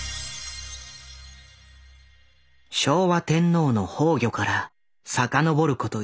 昭和天皇の崩御からさかのぼること